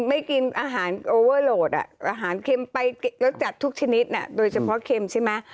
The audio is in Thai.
ไม่กินอาหารโอเวอร์โหลดอาหารเค็มไปรสจัดทุกชนิดโดยเฉพาะเค็มใช่ไหม